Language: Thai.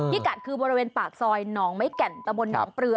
กัดคือบริเวณปากซอยหนองไม้แก่นตะบนหนองเปลือ